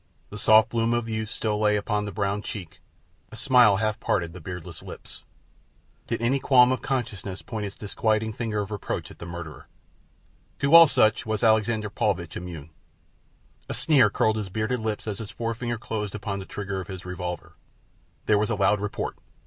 The soft bloom of youth still lay upon the brown cheek, a smile half parted the beardless lips. Did any qualm of conscience point its disquieting finger of reproach at the murderer? To all such was Alexander Paulvitch immune. A sneer curled his bearded lip as his forefinger closed upon the trigger of his revolver. There was a loud report.